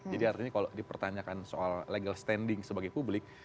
jadi artinya kalau dipertanyakan soal legal standing sebagai publik